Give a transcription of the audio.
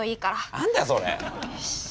何だよそれ！よし。